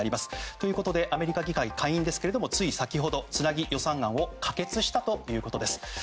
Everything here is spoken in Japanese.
ということでアメリカ議会下院ですがつい先ほど、つなぎ予算案を可決したということです。